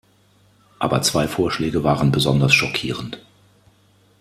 Aber zwei Vorschläge waren besonders schockierend.